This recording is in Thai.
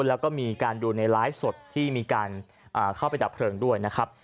แล้วก็มีการดูในไลฟ์สดที่มีการเข้าไปดับเพลิงด้วยนะครับ